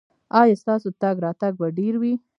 ایا ستاسو تګ راتګ به ډیر وي؟